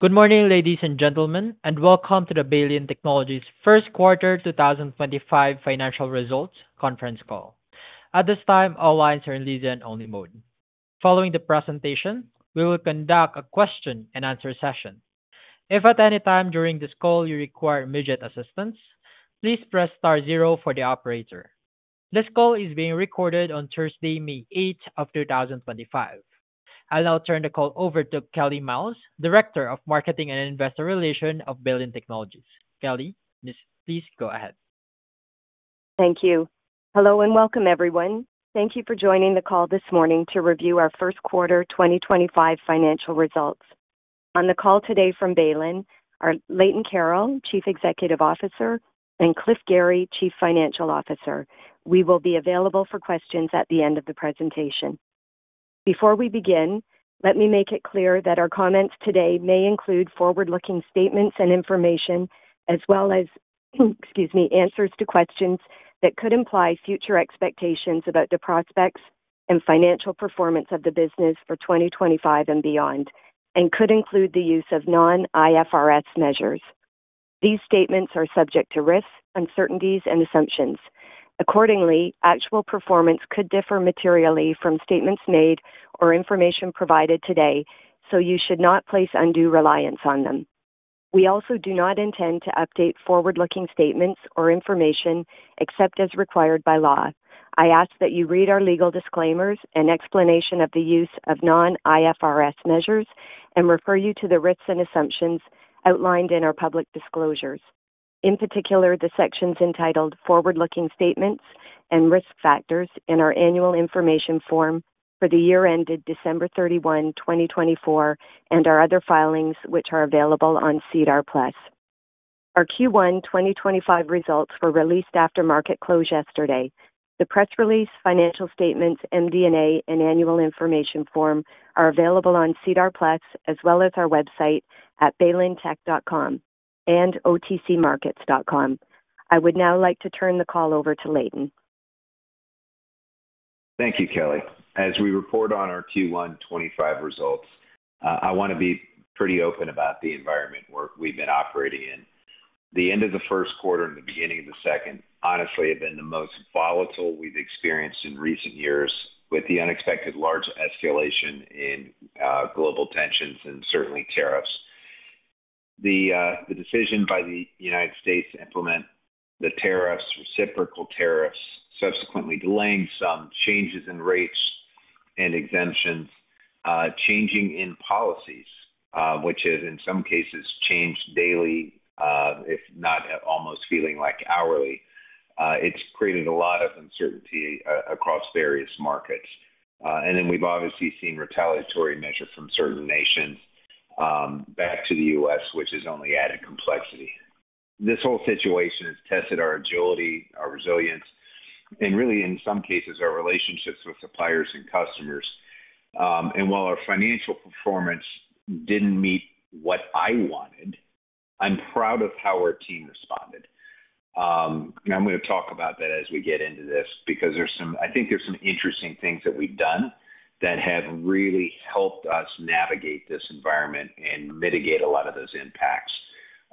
Good morning, ladies and gentlemen, and welcome to the Baylin Technologies First Quarter 2025 Financial Results Conference Call. At this time, all lines are in listen-only mode. Following the presentation, we will conduct a question-and-answer session. If at any time during this call you require immediate assistance, please press *0 for the operator. This call is being recorded on Thursday, May 8 of 2025. I'll now turn the call over to Kelly Myles, Director of Marketing and Investor Relations of Baylin Technologies. Kelly, please go ahead. Thank you. Hello and welcome, everyone. Thank you for joining the call this morning to review our First Quarter 2025 financial results. On the call today from Baylin are Leighton Carroll, Chief Executive Officer, and Cliff Gary, Chief Financial Officer. We will be available for questions at the end of the presentation. Before we begin, let me make it clear that our comments today may include forward-looking statements and information, as well as, excuse me, answers to questions that could imply future expectations about the prospects and financial performance of the business for 2025 and beyond, and could include the use of non-IFRS measures. These statements are subject to risks, uncertainties, and assumptions. Accordingly, actual performance could differ materially from statements made or information provided today, so you should not place undue reliance on them. We also do not intend to update forward-looking statements or information except as required by law. I ask that you read our legal disclaimers and explanation of the use of non-IFRS measures and refer you to the risks and assumptions outlined in our public disclosures. In particular, the sections entitled Forward-Looking Statements and Risk Factors in our annual information form for the year ended December 31, 2024, and our other filings, which are available on SEDAR Plus. Our Q1 2025 results were released after market close yesterday. The press release, financial statements, MD&A, and annual information form are available on SEDAR Plus, as well as our website at baylintech.com and otcmarkets.com. I would now like to turn the call over to Leighton. Thank you, Kelly. As we report on our Q1 2025 results, I want to be pretty open about the environment we've been operating in. The end of the first quarter and the beginning of the second, honestly, have been the most volatile we've experienced in recent years with the unexpected large escalation in global tensions and certainly tariffs. The decision by the United States to implement the tariffs, reciprocal tariffs, subsequently delaying some changes in rates and exemptions, changing in policies, which has in some cases changed daily, if not almost feeling like hourly, has created a lot of uncertainty across various markets. We have obviously seen retaliatory measures from certain nations back to the U.S., which has only added complexity. This whole situation has tested our agility, our resilience, and really in some cases our relationships with suppliers and customers. While our financial performance did not meet what I wanted, I am proud of how our team responded. I am going to talk about that as we get into this because there are some, I think there are some interesting things that we have done that have really helped us navigate this environment and mitigate a lot of those impacts.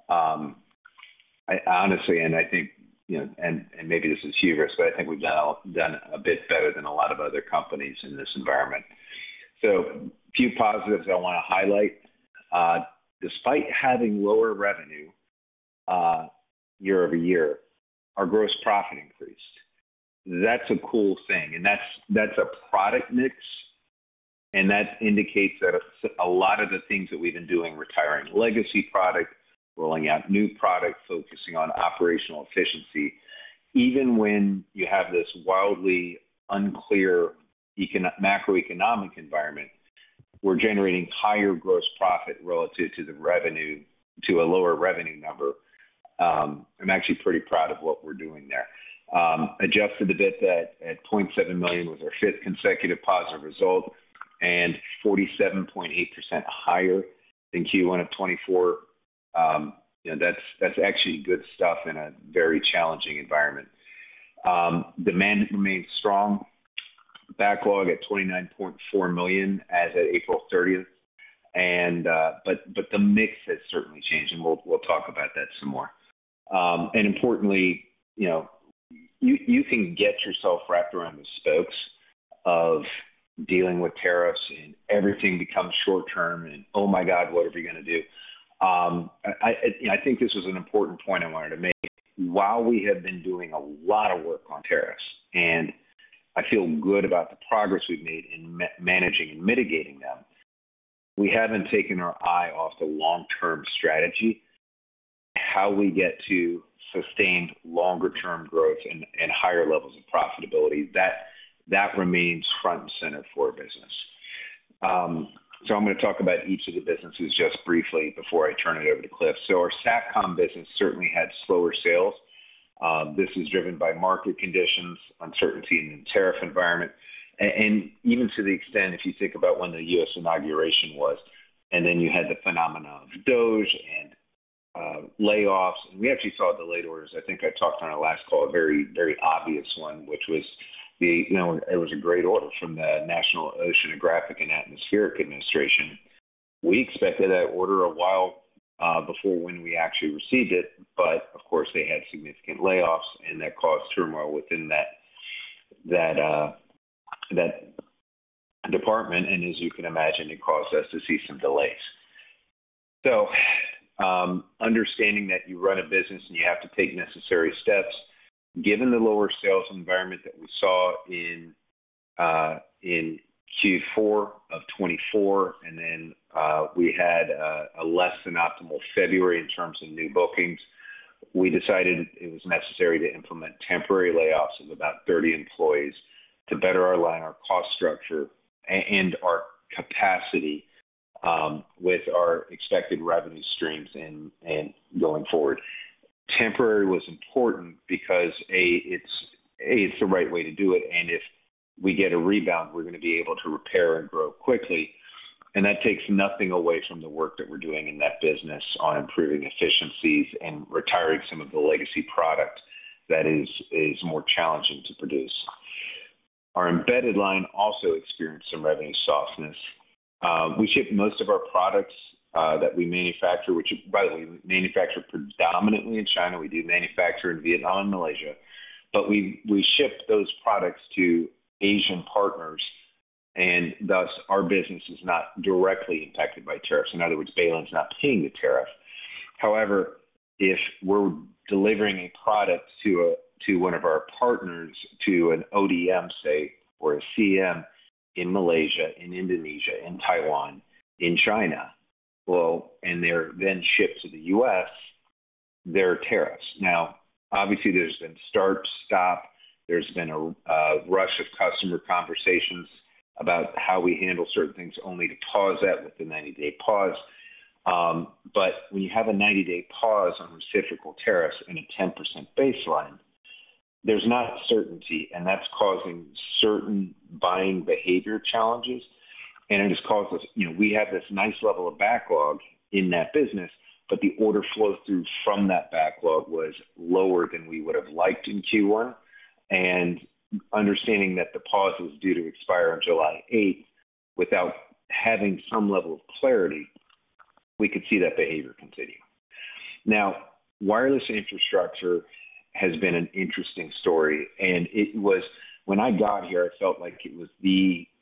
Honestly, I think, and maybe this is hubris, but I think we have done a bit better than a lot of other companies in this environment. A few positives I want to highlight. Despite having lower revenue year over year, our gross profit increased. That is a cool thing. That is a product mix. That indicates that a lot of the things that we've been doing, retiring legacy product, rolling out new product, focusing on operational efficiency, even when you have this wildly unclear macroeconomic environment, we're generating higher gross profit relative to the revenue to a lower revenue number. I'm actually pretty proud of what we're doing there. Adjusted EBITDA at $0.7 million was our fifth consecutive positive result and 47.8% higher than Q1 of 2024. That's actually good stuff in a very challenging environment. Demand remains strong. Backlog at $29.4 million as of April 30. The mix has certainly changed, and we'll talk about that some more. Importantly, you can get yourself wrapped around the spokes of dealing with tariffs and everything becomes short-term and, oh my God, what are we going to do? I think this was an important point I wanted to make. While we have been doing a lot of work on tariffs, and I feel good about the progress we have made in managing and mitigating them, we have not taken our eye off the long-term strategy, how we get to sustained longer-term growth and higher levels of profitability. That remains front and center for our business. I am going to talk about each of the businesses just briefly before I turn it over to Cliff. Our Satcom business certainly had slower sales. This was driven by market conditions, uncertainty in the tariff environment, and even to the extent if you think about when the U.S. inauguration was, and then you had the phenomena of COVID and layoffs. We actually saw delayed orders. I think I talked on our last call, a very, very obvious one, which was it was a great order from the National Oceanographic and Atmospheric Administration. We expected that order a while before when we actually received it, but of course, they had significant layoffs and that caused turmoil within that department. As you can imagine, it caused us to see some delays. Understanding that you run a business and you have to take necessary steps, given the lower sales environment that we saw in Q4 of 2024, and then we had a less than optimal February in terms of new bookings, we decided it was necessary to implement temporary layoffs of about 30 employees to better align our cost structure and our capacity with our expected revenue streams going forward. Temporary was important because, A, it is the right way to do it, and if we get a rebound, we are going to be able to repair and grow quickly. That takes nothing away from the work that we're doing in that business on improving efficiencies and retiring some of the legacy product that is more challenging to produce. Our embedded line also experienced some revenue softness. We ship most of our products that we manufacture, which, by the way, we manufacture predominantly in China. We do manufacture in Vietnam and Malaysia, but we ship those products to Asian partners, and thus our business is not directly impacted by tariffs. In other words, Baylin is not paying the tariff. However, if we're delivering a product to one of our partners, to an ODM, say, or a CM in Malaysia, in Indonesia, in Taiwan, in China, and they're then shipped to the US, there are tariffs. Obviously, there's been start, stop. There's been a rush of customer conversations about how we handle certain things only to pause that with the 90-day pause. When you have a 90-day pause on reciprocal tariffs and a 10% baseline, there's not certainty, and that's causing certain buying behavior challenges. It has caused us, we have this nice level of backlog in that business, but the order flow through from that backlog was lower than we would have liked in Q1. Understanding that the pause was due to expire on July 8th, without having some level of clarity, we could see that behavior continue. Now, wireless infrastructure has been an interesting story. When I got here, I felt like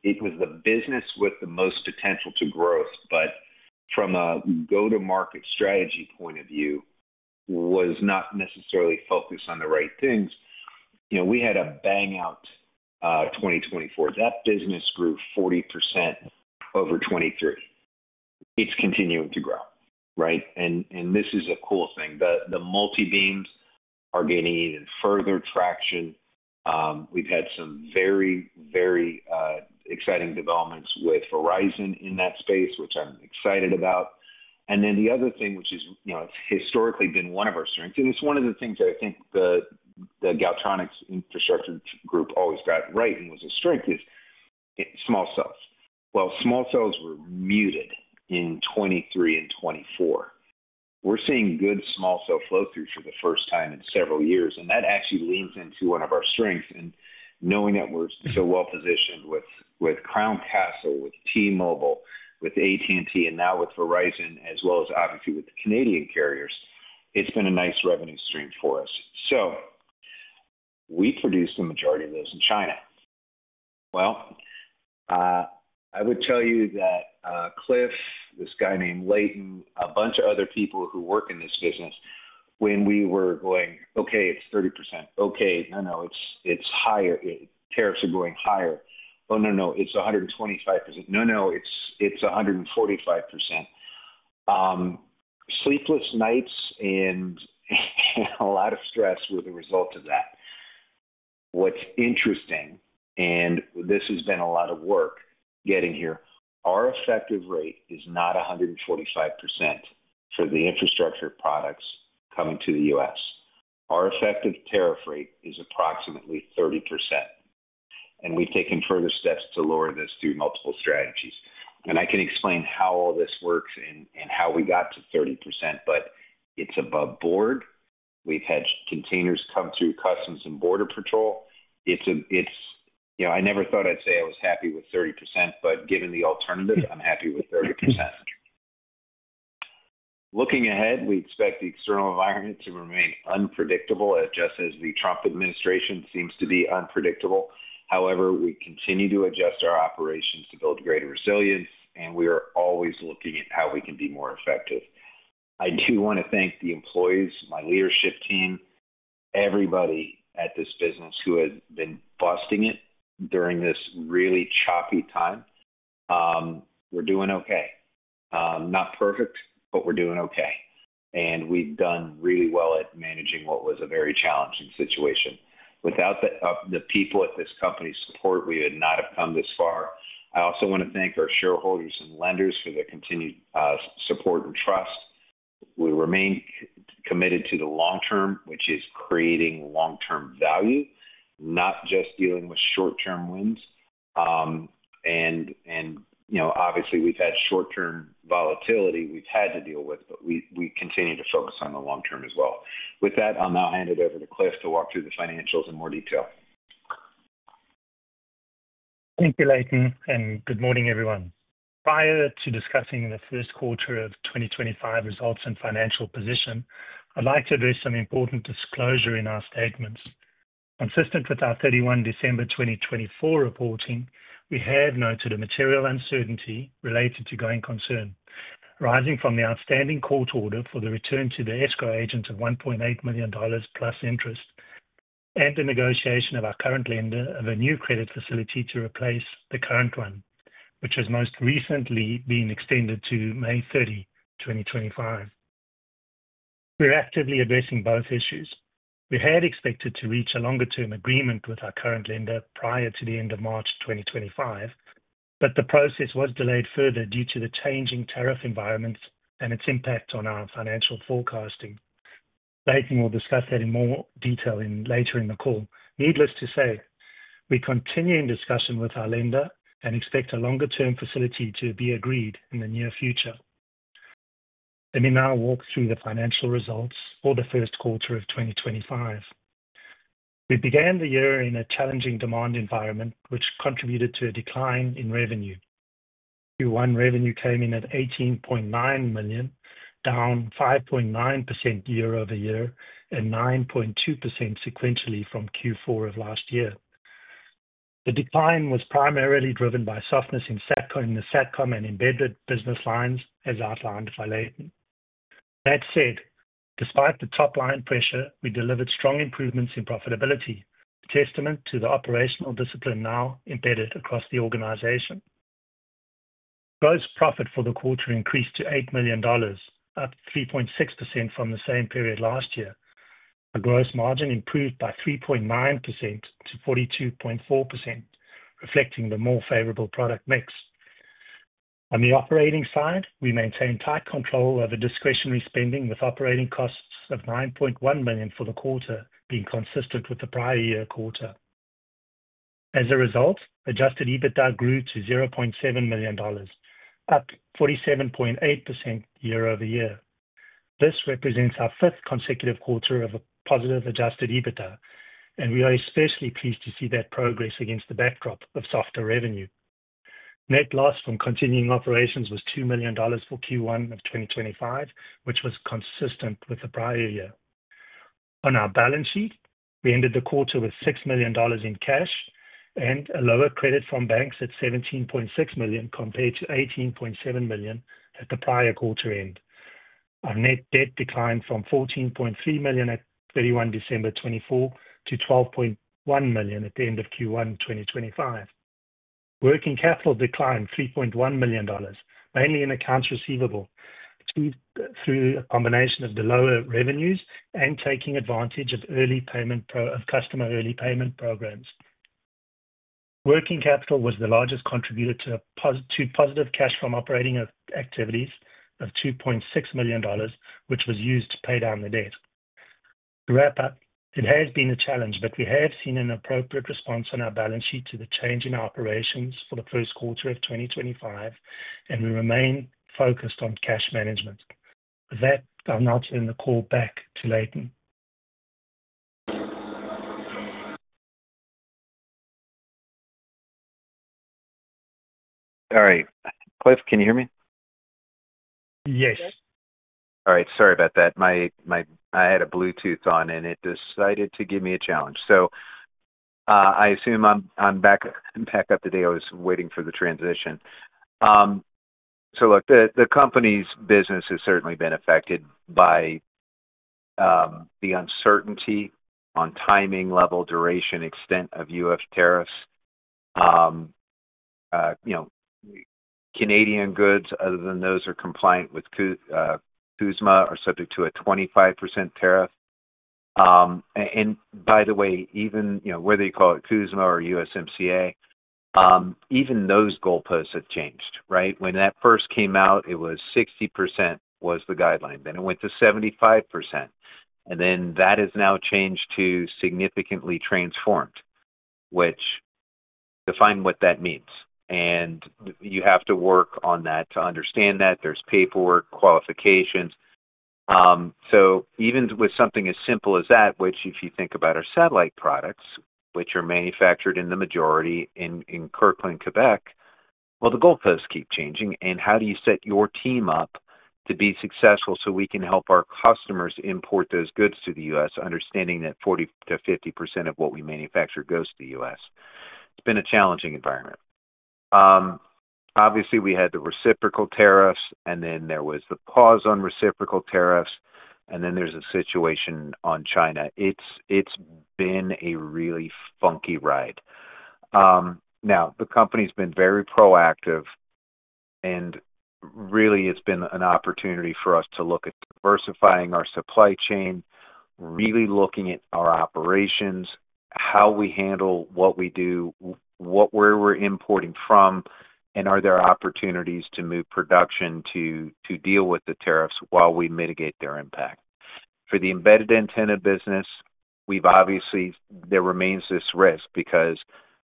it was the business with the most potential to growth, but from a go-to-market strategy point of view, was not necessarily focused on the right things. We had a bang-out 2024. That business grew 40% over 2023. It's continuing to grow, right? This is a cool thing. The multi-beams are gaining even further traction. We've had some very, very exciting developments with Verizon in that space, which I'm excited about. The other thing, which has historically been one of our strengths, and it's one of the things that I think the Galtronics Infrastructure Group always got right and was a strength, is small cells. Small cells were muted in 2023 and 2024. We're seeing good small cell flow through for the first time in several years, and that actually leans into one of our strengths. Knowing that we're so well positioned with Crown Castle, with T-Mobile, with AT&T, and now with Verizon, as well as obviously with the Canadian carriers, it's been a nice revenue stream for us. We produce the majority of those in China. I would tell you that Cliff, this guy named Leighton, a bunch of other people who work in this business, when we were going, "Okay, it's 30%." No, no, it's higher. Tariffs are going higher. Oh, no, no, it's 125%. No, no, it's 145%. Sleepless nights and a lot of stress were the result of that. What's interesting, and this has been a lot of work getting here, our effective rate is not 145% for the infrastructure products coming to the US. Our effective tariff rate is approximately 30%. We have taken further steps to lower this through multiple strategies. I can explain how all this works and how we got to 30%, but it's above board. We have had containers come through customs and border patrol. I never thought I'd say I was happy with 30%, but given the alternative, I'm happy with 30%. Looking ahead, we expect the external environment to remain unpredictable, just as the Trump administration seems to be unpredictable. However, we continue to adjust our operations to build greater resilience, and we are always looking at how we can be more effective. I do want to thank the employees, my leadership team, everybody at this business who has been busting it during this really choppy time. We're doing okay. Not perfect, but we're doing okay. We have done really well at managing what was a very challenging situation. Without the people at this company's support, we would not have come this far. I also want to thank our shareholders and lenders for their continued support and trust. We remain committed to the long term, which is creating long-term value, not just dealing with short-term wins. Obviously, we've had short-term volatility we've had to deal with, but we continue to focus on the long term as well. With that, I'll now hand it over to Cliff to walk through the financials in more detail. Thank you, Leighton, and good morning, everyone. Prior to discussing the first quarter of 2025 results and financial position, I'd like to address some important disclosure in our statements. Consistent with our 31 December 2024 reporting, we have noted a material uncertainty related to going concern, arising from the outstanding court order for the return to the escrow agent of $1.8 million plus interest, and the negotiation of our current lender of a new credit facility to replace the current one, which has most recently been extended to May 30, 2025. We're actively addressing both issues. We had expected to reach a longer-term agreement with our current lender prior to the end of March 2025, but the process was delayed further due to the changing tariff environment and its impact on our financial forecasting. Leighton will discuss that in more detail later in the call. Needless to say, we continue in discussion with our lender and expect a longer-term facility to be agreed in the near future. Let me now walk through the financial results for the first quarter of 2025. We began the year in a challenging demand environment, which contributed to a decline in revenue. Q1 revenue came in at 18.9 million, down 5.9% year over year and 9.2% sequentially from Q4 of last year. The decline was primarily driven by softness in the Satcom and embedded business lines, as outlined by Leighton. That said, despite the top-line pressure, we delivered strong improvements in profitability, a testament to the operational discipline now embedded across the organization. Gross profit for the quarter increased to CAD $8 million, up 3.6% from the same period last year. Our gross margin improved by 3.9% to 42.4%, reflecting the more favorable product mix. On the operating side, we maintained tight control over discretionary spending, with operating costs of 9.1 million for the quarter being consistent with the prior year quarter. As a result, adjusted EBITDA grew to $0.7 million, up 47.8% year over year. This represents our fifth consecutive quarter of a positive adjusted EBITDA, and we are especially pleased to see that progress against the backdrop of softer revenue. Net loss from continuing operations was CAD $2 million for Q1 of 2025, which was consistent with the prior year. On our balance sheet, we ended the quarter with CAD $6 million in cash and a lower credit from banks at 17.6 million compared to 18.7 million at the prior quarter end. Our net debt declined from 14.3 million at 31 December 2024 to 12.1 million at the end of Q1 2025. Working capital declined 3.1 million dollars, mainly in accounts receivable, through a combination of the lower revenues and taking advantage of customer early payment programs. Working capital was the largest contributor to positive cash from operating activities of CAD $2.6 million, which was used to pay down the debt. To wrap up, it has been a challenge, but we have seen an appropriate response on our balance sheet to the change in our operations for the first quarter of 2025, and we remain focused on cash management. With that, I'll now turn the call back to Leighton. All right. Cliff, can you hear me? Yes. All right. Sorry about that. I had a Bluetooth on, and it decided to give me a challenge. I assume I'm back up to date. I was waiting for the transition. Look, the company's business has certainly been affected by the uncertainty on timing level, duration, extent of U.S. tariffs. Canadian goods, other than those that are compliant with CUSMA, are subject to a 25% tariff. By the way, whether you call it CUSMA or USMCA, even those goalposts have changed, right? When that first came out, 60% was the guideline. Then it went to 75%. That has now changed to significantly transformed, which, define what that means. You have to work on that to understand that. There's paperwork, qualifications. Even with something as simple as that, which if you think about our satellite products, which are manufactured in the majority in Kirkland, Quebec, the goalposts keep changing. How do you set your team up to be successful so we can help our customers import those goods to the US, understanding that 40-50% of what we manufacture goes to the US? It's been a challenging environment. Obviously, we had the reciprocal tariffs, and then there was the pause on reciprocal tariffs, and then there's a situation on China. It's been a really funky ride. Now, the company's been very proactive, and really, it's been an opportunity for us to look at diversifying our supply chain, really looking at our operations, how we handle what we do, where we're importing from, and are there opportunities to move production to deal with the tariffs while we mitigate their impact. For the embedded antenna business, there remains this risk because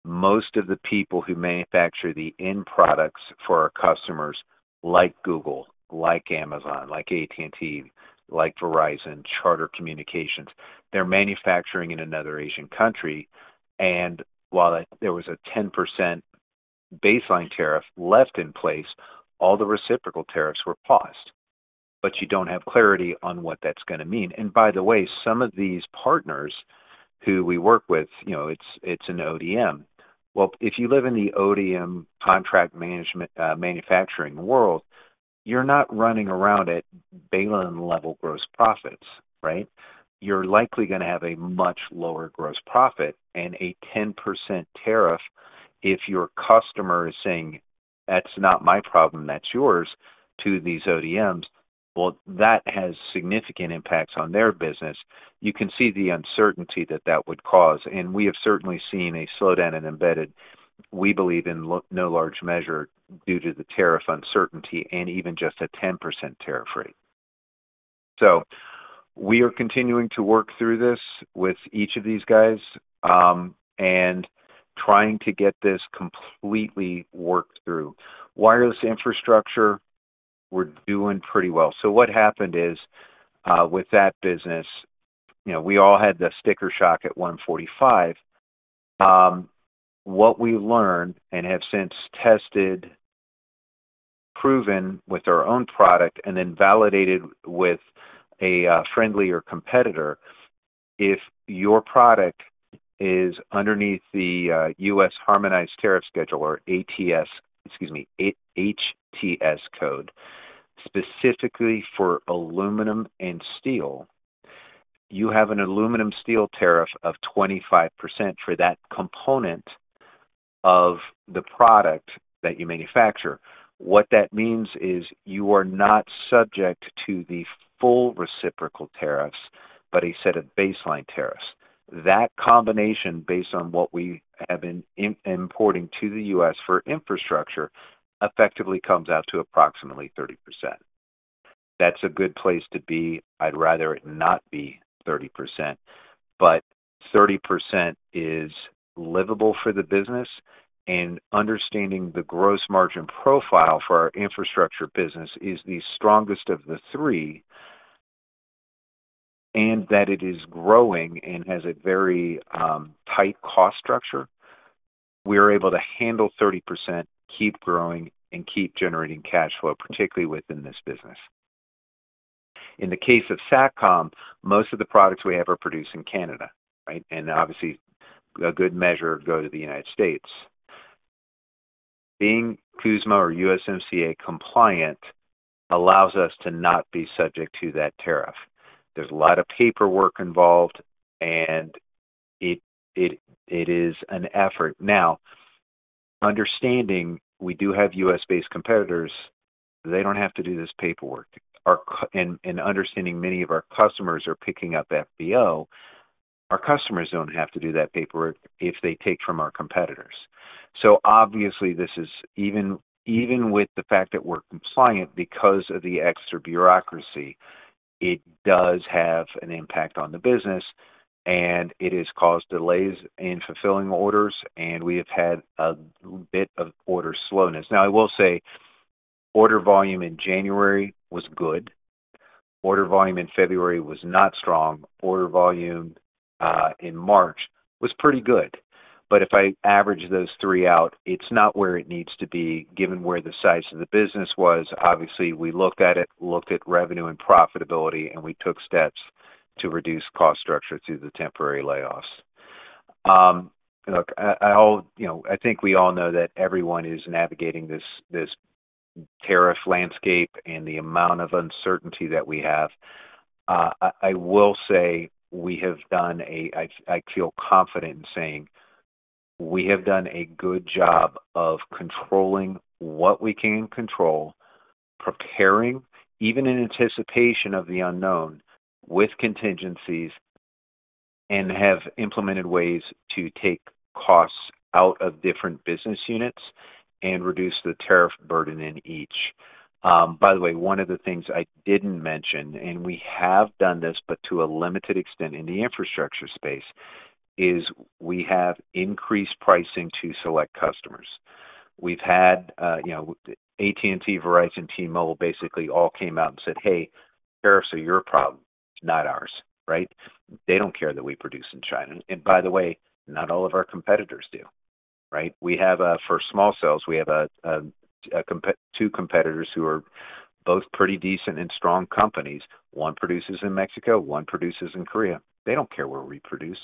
most of the people who manufacture the end products for our customers, like Google, like Amazon, like AT&T, like Verizon, Charter Communications, they're manufacturing in another Asian country. While there was a 10% baseline tariff left in place, all the reciprocal tariffs were paused. You don't have clarity on what that's going to mean. By the way, some of these partners who we work with, it's an ODM. If you live in the ODM contract management manufacturing world, you're not running around at Baylin-level gross profits, right? You're likely going to have a much lower gross profit and a 10% tariff if your customer is saying, "That's not my problem, that's yours," to these ODMs. That has significant impacts on their business. You can see the uncertainty that that would cause. We have certainly seen a slowdown in embedded, we believe, in no large measure due to the tariff uncertainty and even just a 10% tariff rate. We are continuing to work through this with each of these guys and trying to get this completely worked through. Wireless infrastructure, we're doing pretty well. What happened is with that business, we all had the sticker shock at 145. What we learned and have since tested, proven with our own product, and then validated with a friendlier competitor, if your product is underneath the US Harmonized Tariff Schedule, or HTS, excuse me, HTS code, specifically for aluminum and steel, you have an aluminum steel tariff of 25% for that component of the product that you manufacture. What that means is you are not subject to the full reciprocal tariffs, but a set of baseline tariffs. That combination, based on what we have been importing to the US for infrastructure, effectively comes out to approximately 30%. That's a good place to be. I'd rather it not be 30%, but 30% is livable for the business. Understanding the gross margin profile for our infrastructure business is the strongest of the three, and that it is growing and has a very tight cost structure. We are able to handle 30%, keep growing, and keep generating cash flow, particularly within this business. In the case of Satcom, most of the products we have are produced in Canada, right? Obviously, a good measure go to the United States. Being CUSMA or USMCA compliant allows us to not be subject to that tariff. There is a lot of paperwork involved, and it is an effort. Now, understanding we do have U.S.-based competitors, they do not have to do this paperwork. Understanding many of our customers are picking up FBO, our customers do not have to do that paperwork if they take from our competitors. Obviously, even with the fact that we are compliant because of the extra bureaucracy, it does have an impact on the business, and it has caused delays in fulfilling orders, and we have had a bit of order slowness. Now, I will say order volume in January was good. Order volume in February was not strong. Order volume in March was pretty good. If I average those three out, it is not where it needs to be, given where the size of the business was. Obviously, we looked at it, looked at revenue and profitability, and we took steps to reduce cost structure through the temporary layoffs. Look, I think we all know that everyone is navigating this tariff landscape and the amount of uncertainty that we have. I will say we have done a—I feel confident in saying we have done a good job of controlling what we can control, preparing, even in anticipation of the unknown, with contingencies, and have implemented ways to take costs out of different business units and reduce the tariff burden in each. By the way, one of the things I did not mention, and we have done this, but to a limited extent in the infrastructure space, is we have increased pricing to select customers. We have had AT&T, Verizon, T-Mobile basically all came out and said, "Hey, tariffs are your problem, not ours," right? They do not care that we produce in China. And by the way, not all of our competitors do, right? For small cells, we have two competitors who are both pretty decent and strong companies. One produces in Mexico, one produces in Korea. They do not care where we produce.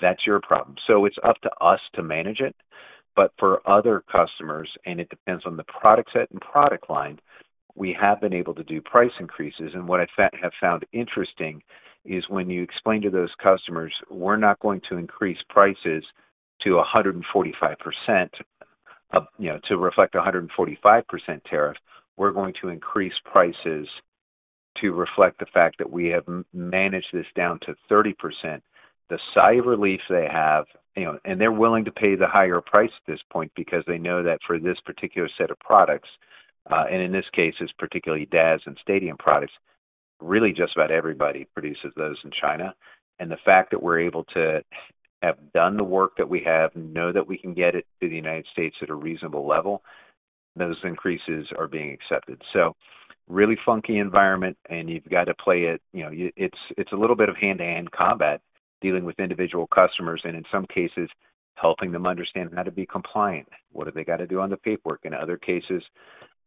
That is your problem. It is up to us to manage it. For other customers, and it depends on the product set and product line, we have been able to do price increases. What I have found interesting is when you explain to those customers, "We're not going to increase prices to 145% to reflect a 145% tariff. We're going to increase prices to reflect the fact that we have managed this down to 30%," the sigh of relief they have. They're willing to pay the higher price at this point because they know that for this particular set of products, and in this case, it's particularly DAS and stadium products, really just about everybody produces those in China. The fact that we're able to have done the work that we have, know that we can get it to the United States at a reasonable level, those increases are being accepted. Really funky environment, and you've got to play it. It's a little bit of hand-to-hand combat dealing with individual customers and, in some cases, helping them understand how to be compliant. What have they got to do on the paperwork? In other cases,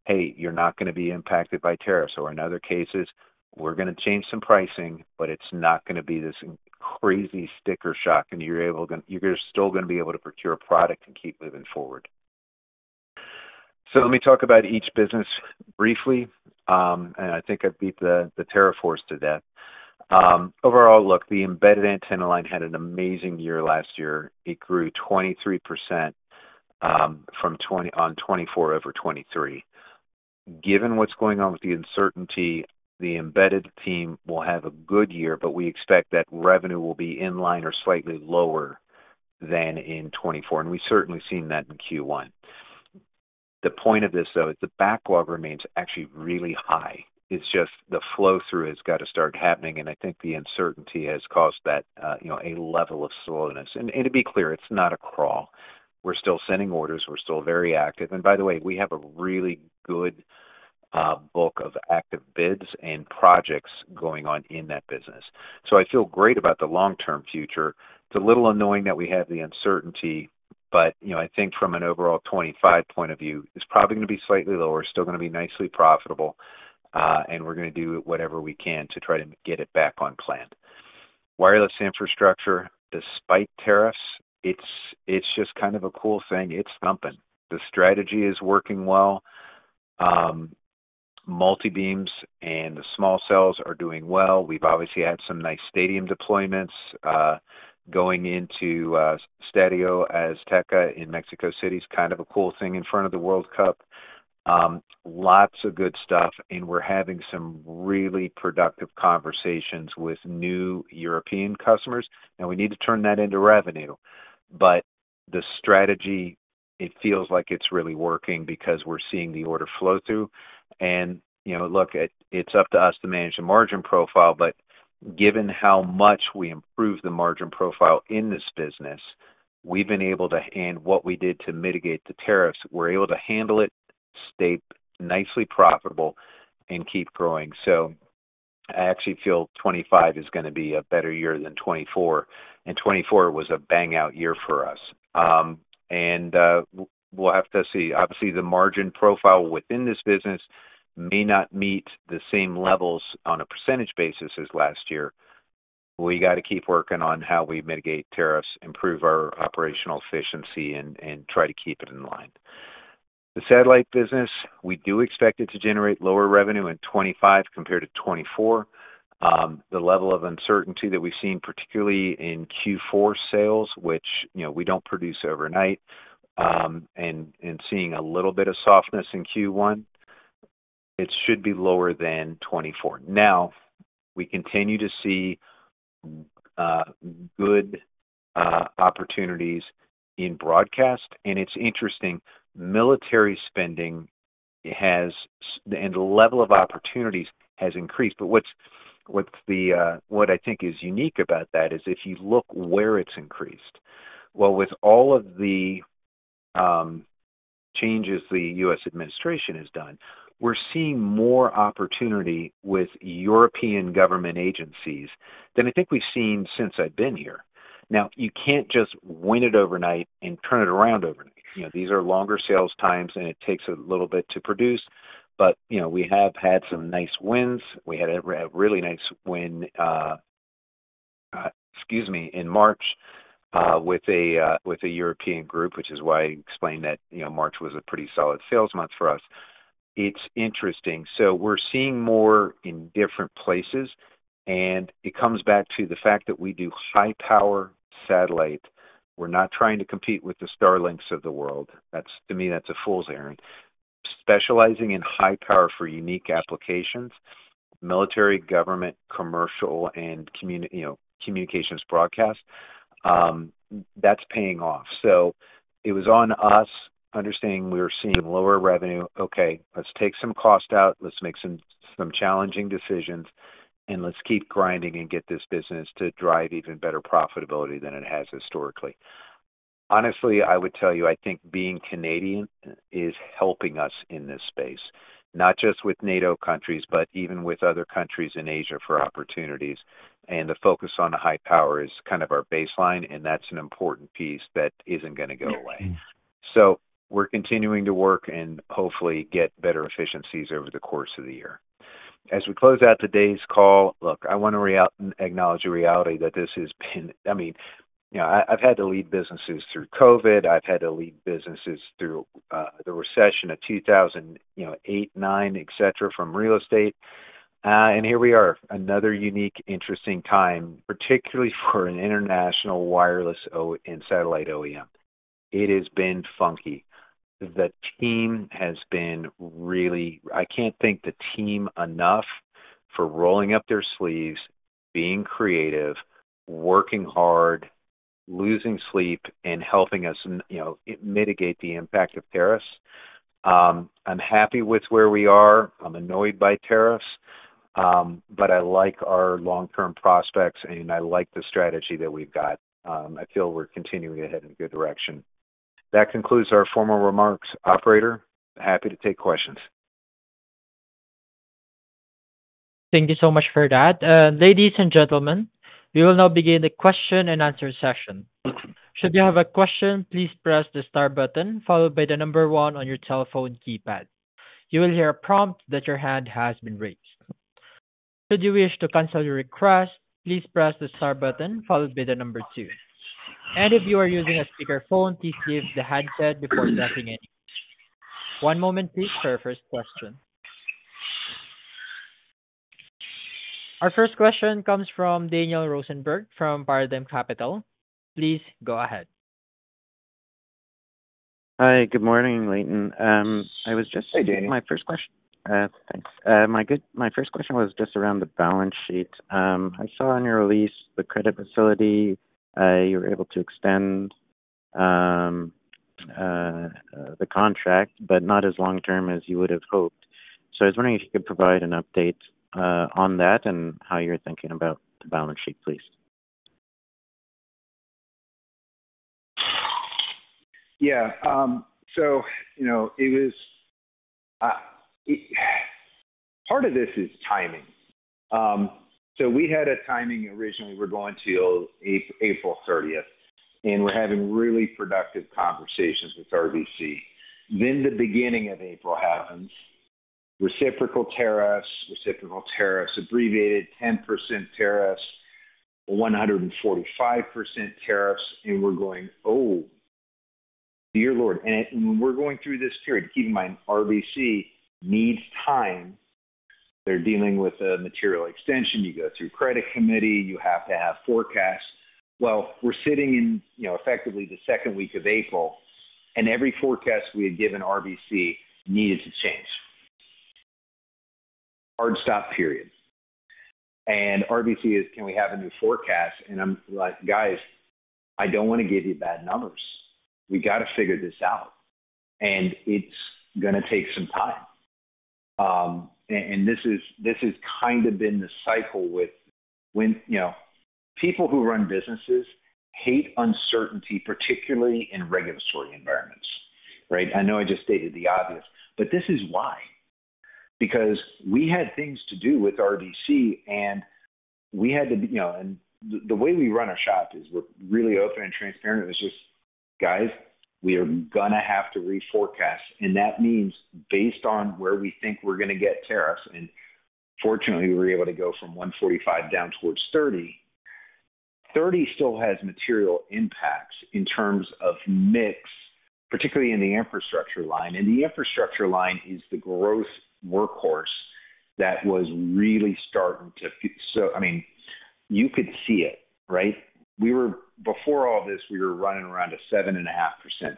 "Hey, you're not going to be impacted by tariffs." In other cases, "We're going to change some pricing, but it's not going to be this crazy sticker shock, and you're still going to be able to procure product and keep moving forward." Let me talk about each business briefly, and I think I beat the tariff horse to death. Overall, look, the embedded antenna line had an amazing year last year. It grew 23% on 2024 over 2023. Given what's going on with the uncertainty, the embedded team will have a good year, but we expect that revenue will be in line or slightly lower than in 2024. We have certainly seen that in Q1. The point of this, though, is the backlog remains actually really high. It is just the flow-through has got to start happening, and I think the uncertainty has caused that a level of slowness. To be clear, it is not a crawl. We are still sending orders. We are still very active. By the way, we have a really good book of active bids and projects going on in that business. I feel great about the long-term future. It is a little annoying that we have the uncertainty, but I think from an overall 2025 point of view, it is probably going to be slightly lower. It is still going to be nicely profitable, and we are going to do whatever we can to try to get it back on plan. Wireless infrastructure, despite tariffs, it is just kind of a cool thing. It is thumping. The strategy is working well. Multibeams and the small cells are doing well. We've obviously had some nice stadium deployments going into Estadio Azteca in Mexico City. It's kind of a cool thing in front of the World Cup. Lots of good stuff, and we're having some really productive conversations with new European customers, and we need to turn that into revenue. The strategy, it feels like it's really working because we're seeing the order flow through. Look, it's up to us to manage the margin profile, but given how much we improve the margin profile in this business, we've been able to, and what we did to mitigate the tariffs, we're able to handle it, stay nicely profitable, and keep growing. I actually feel 2025 is going to be a better year than 2024. 2024 was a bang-out year for us. We'll have to see. Obviously, the margin profile within this business may not meet the same levels on a percentage basis as last year. We got to keep working on how we mitigate tariffs, improve our operational efficiency, and try to keep it in line. The satellite business, we do expect it to generate lower revenue in 2025 compared to 2024. The level of uncertainty that we've seen, particularly in Q4 sales, which we don't produce overnight, and seeing a little bit of softness in Q1, it should be lower than 2024. Now, we continue to see good opportunities in broadcast. It is interesting. Military spending has, and the level of opportunities has, increased. What I think is unique about that is if you look where it's increased, with all of the changes the U.S. administration has done, we're seeing more opportunity with European government agencies than I think we've seen since I've been here. You can't just win it overnight and turn it around overnight. These are longer sales times, and it takes a little bit to produce. We have had some nice wins. We had a really nice win, excuse me, in March with a European group, which is why I explained that March was a pretty solid sales month for us. It's interesting. We're seeing more in different places, and it comes back to the fact that we do high-power satellite. We're not trying to compete with the Starlinks of the world. To me, that's a fool's errand. Specializing in high power for unique applications: military, government, commercial, and communications broadcast. That is paying off. It was on us understanding we were seeing lower revenue. Okay, let's take some cost out. Let's make some challenging decisions, and let's keep grinding and get this business to drive even better profitability than it has historically. Honestly, I would tell you, I think being Canadian is helping us in this space, not just with NATO countries, but even with other countries in Asia for opportunities. The focus on the high power is kind of our baseline, and that is an important piece that is not going to go away. We are continuing to work and hopefully get better efficiencies over the course of the year. As we close out today's call, look, I want to acknowledge the reality that this has been—I mean, I have had to lead businesses through COVID. I've had to lead businesses through the recession of 2008, 2009, etc., from real estate. Here we are, another unique, interesting time, particularly for an international wireless and satellite OEM. It has been funky. The team has been really—I can't thank the team enough for rolling up their sleeves, being creative, working hard, losing sleep, and helping us mitigate the impact of tariffs. I'm happy with where we are. I'm annoyed by tariffs, but I like our long-term prospects, and I like the strategy that we've got. I feel we're continuing ahead in a good direction. That concludes our formal remarks. Operator, happy to take questions. Thank you so much for that. Ladies and gentlemen, we will now begin the question and answer session. Should you have a question, please press the star button followed by the number one on your telephone keypad. You will hear a prompt that your hand has been raised. Should you wish to cancel your request, please press the star button followed by the number 2. If you are using a speakerphone, please give the handset before pressing any. One moment, please, for our first question. Our first question comes from Daniel Rosenberg from Haywood Capital. Please go ahead. Hi, good morning, Leighton. I was just—Hey, Daniel. My first question—Hey, Daniel. Thanks. My first question was just around the balance sheet. I saw on your release the credit facility. You were able to extend the contract, but not as long-term as you would have hoped. I was wondering if you could provide an update on that and how you're thinking about the balance sheet, please? Yeah. Part of this is timing. We had a timing originally. We're going to April 30th, and we're having really productive conversations with RBC. The beginning of April happens. Reciprocal tariffs, reciprocal tariffs, abbreviated 10% tariffs, 145% tariffs, and we're going, "Oh, dear Lord." We're going through this period. Keep in mind, RBC needs time. They're dealing with a material extension. You go through credit committee. You have to have forecasts. We're sitting in effectively the second week of April, and every forecast we had given RBC needed to change. Hard stop period. RBC is, "Can we have a new forecast?" I'm like, "Guys, I don't want to give you bad numbers. We got to figure this out." It's going to take some time. This has kind of been the cycle with people who run businesses hate uncertainty, particularly in regulatory environments, right? I know I just stated the obvious, but this is why. Because we had things to do with RBC, and we had to—and the way we run our shop is we're really open and transparent. It was just, "Guys, we are going to have to reforecast." That means based on where we think we're going to get tariffs. Fortunately, we were able to go from 145 down towards 30. 30 still has material impacts in terms of mix, particularly in the infrastructure line. The infrastructure line is the growth workhorse that was really starting to—I mean, you could see it, right? Before all this, we were running around a 7.5%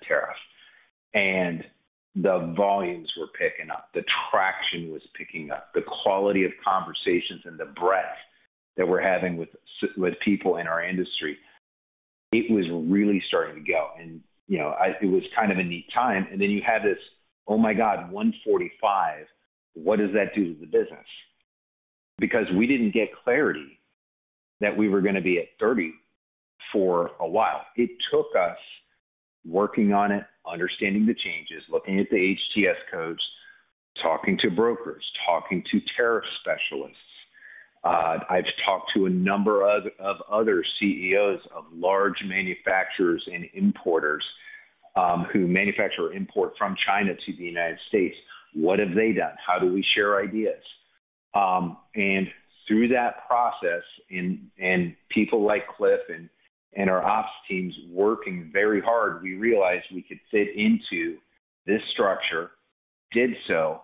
tariff, and the volumes were picking up. The traction was picking up. The quality of conversations and the breadth that we're having with people in our industry, it was really starting to go. It was kind of a neat time. You had this, "Oh my God, 145. What does that do to the business?" because we did not get clarity that we were going to be at 30 for a while. It took us working on it, understanding the changes, looking at the HTS codes, talking to brokers, talking to tariff specialists. I have talked to a number of other CEOs of large manufacturers and importers who manufacture or import from China to the United States. What have they done? How do we share ideas? Through that process, and people like Cliff and our ops teams working very hard, we realized we could fit into this structure. Did so.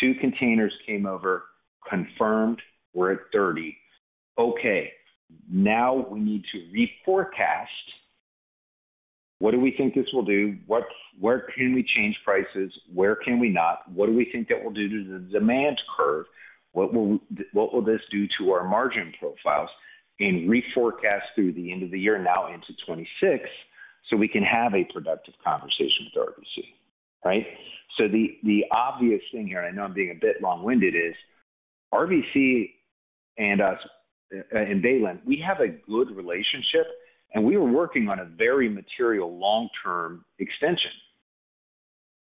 Two containers came over, confirmed we are at 30. Now we need to reforecast. What do we think this will do? Where can we change prices? Where can we not? What do we think that will do to the demand curve? What will this do to our margin profiles? Reforecast through the end of the year, now into 2026, so we can have a productive conversation with RBC, right? The obvious thing here, and I know I'm being a bit long-winded, is RBC and Baylin, we have a good relationship, and we were working on a very material long-term extension.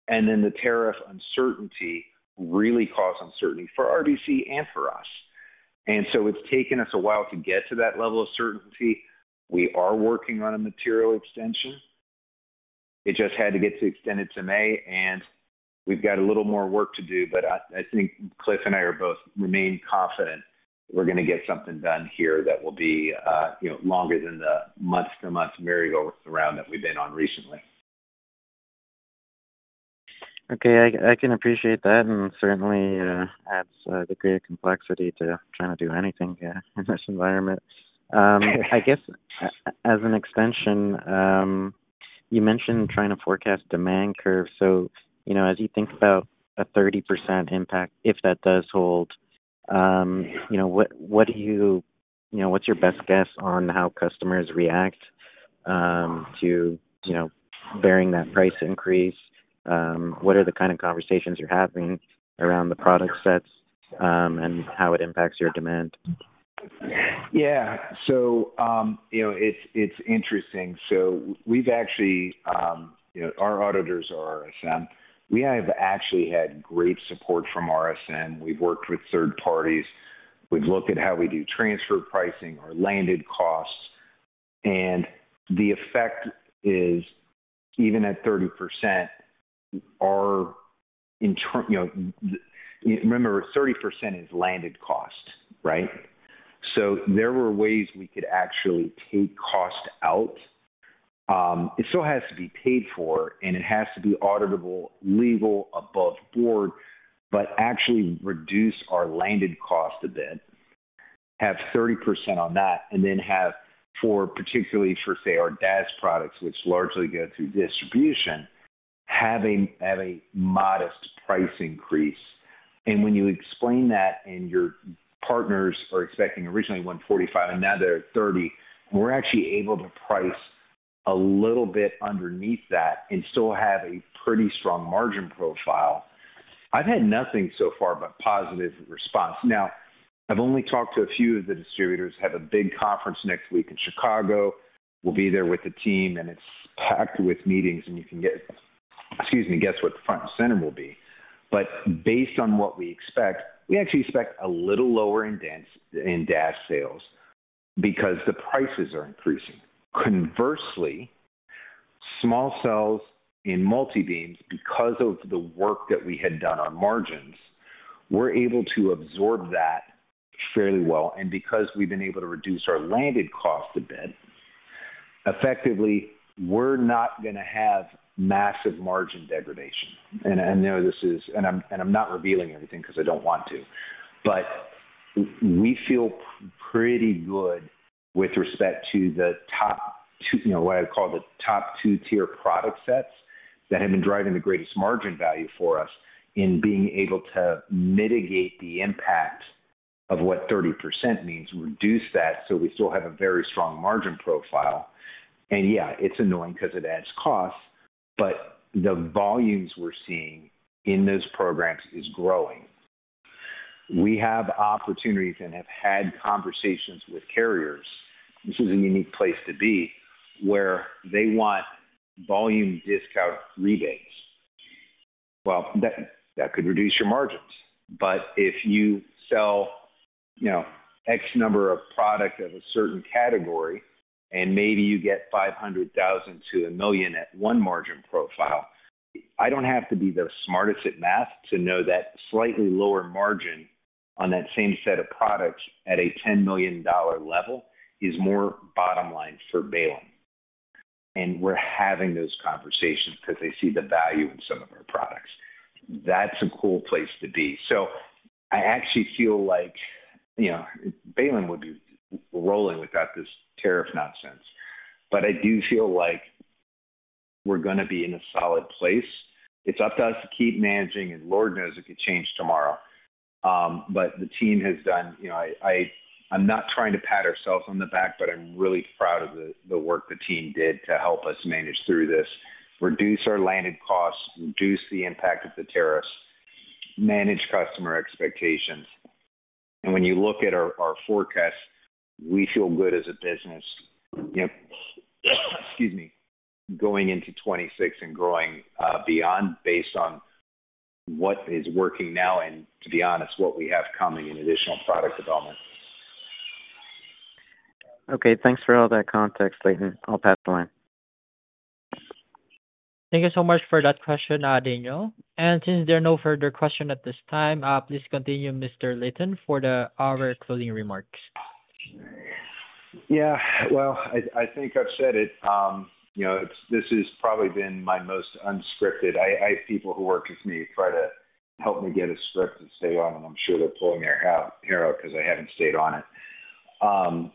The tariff uncertainty really caused uncertainty for RBC and for us. It has taken us a while to get to that level of certainty. We are working on a material extension. It just had to get extended to May, and we've got a little more work to do. I think Cliff and I both remain confident we're going to get something done here that will be longer than the month-to-month merry-go-round that we've been on recently. Okay. I can appreciate that, and it certainly adds a degree of complexity to trying to do anything in this environment. I guess as an extension, you mentioned trying to forecast demand curve. As you think about a 30% impact, if that does hold, what's your best guess on how customers react to bearing that price increase? What are the kind of conversations you're having around the product sets and how it impacts your demand? Yeah. It's interesting. We've actually—our auditors are RSM. We have actually had great support from RSM. We've worked with third parties. We've looked at how we do transfer pricing or landed costs. The effect is, even at 30%, our—remember, 30% is landed cost, right? There were ways we could actually take cost out. It still has to be paid for, and it has to be auditable, legal, above board, but actually reduce our landed cost a bit, have 30% on that, and then have—particularly for, say, our DAS products, which largely go through distribution—have a modest price increase. When you explain that and your partners are expecting originally 145, and now they're at 30, we're actually able to price a little bit underneath that and still have a pretty strong margin profile. I've had nothing so far but positive response. I've only talked to a few of the distributors. I have a big conference next week in Chicago. We'll be there with the team, and it's packed with meetings, and you can get—excuse me—guess what the front and center will be. Based on what we expect, we actually expect a little lower in DAS sales because the prices are increasing. Conversely, small cells and multibeams, because of the work that we had done on margins, were able to absorb that fairly well. Because we've been able to reduce our landed cost a bit, effectively, we're not going to have massive margin degradation. I know this is—and I'm not revealing everything because I don't want to—but we feel pretty good with respect to the top—what I call the top two-tier product sets that have been driving the greatest margin value for us in being able to mitigate the impact of what 30% means, reduce that so we still have a very strong margin profile. Yeah, it's annoying because it adds costs, but the volumes we're seeing in those programs are growing. We have opportunities and have had conversations with carriers—this is a unique place to be—where they want volume discount rebates. That could reduce your margins. If you sell X number of products of a certain category and maybe you get $500,000 to $1 million at one margin profile, I don't have to be the smartest at math to know that slightly lower margin on that same set of products at a $10 million level is more bottom line for Baylin. We're having those conversations because they see the value in some of our products. That's a cool place to be. I actually feel like Baylin would be rolling without this tariff nonsense. I do feel like we're going to be in a solid place. It's up to us to keep managing, and Lord knows it could change tomorrow. The team has done—I'm not trying to pat ourselves on the back, but I'm really proud of the work the team did to help us manage through this, reduce our landed costs, reduce the impact of the tariffs, manage customer expectations. When you look at our forecast, we feel good as a business—excuse me—going into 2026 and growing beyond based on what is working now and, to be honest, what we have coming in additional product development. Okay. Thanks for all that context, Leighton. I'll pass the line. Thank you so much for that question, Daniel. Since there are no further questions at this time, please continue, Mr. Leighton, for our closing remarks. I think I've said it. This has probably been my most unscripted. I have people who work with me try to help me get a script to stay on, and I'm sure they're pulling their hair out because I haven't stayed on it.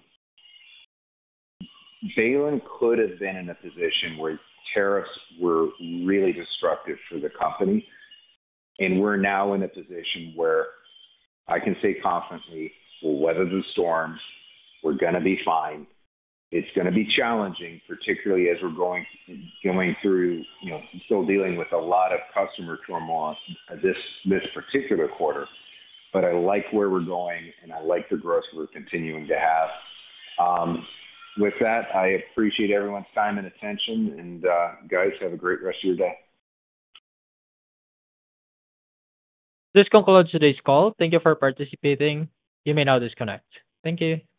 Baylin could have been in a position where tariffs were really destructive for the company. We're now in a position where I can say confidently, we'll weather the storms. We're going to be fine. It's going to be challenging, particularly as we're going through still dealing with a lot of customer turmoil this particular quarter. I like where we're going, and I like the growth we're continuing to have. With that, I appreciate everyone's time and attention. Guys, have a great rest of your day. This concludes today's call. Thank you for participating. You may now disconnect. Thank you.